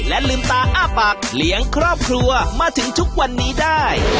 ลืมตาอ้าปากเลี้ยงครอบครัวมาถึงทุกวันนี้ได้